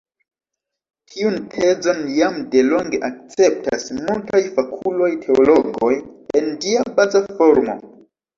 Tiun tezon jam delonge akceptas multaj fakuloj-teologoj en ĝia baza formo.